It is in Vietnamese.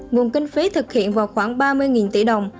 nguồn kinh phí thực hiện vào khoảng ba mươi tỷ đồng